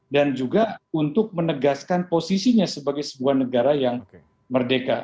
dan juga untuk menegaskan posisinya sebagai sebuah negara yang merdeka